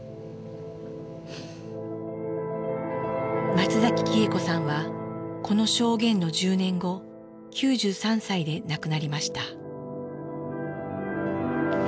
松崎喜恵子さんはこの証言の１０年後９３歳で亡くなりました。